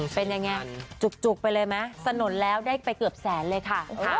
เป็นยังไงจุกไปเลยไหมสนุนแล้วได้ไปเกือบแสนเลยค่ะ